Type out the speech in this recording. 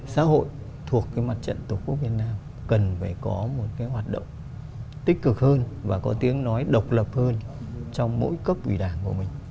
xã hội thuộc cái mặt trận tổ quốc việt nam cần phải có một cái hoạt động tích cực hơn và có tiếng nói độc lập hơn trong mỗi cấp ủy đảng của mình